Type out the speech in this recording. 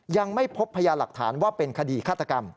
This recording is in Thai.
ยังไม่พบพยานหลักฐานว่าเป็นคดีฆาตกรรม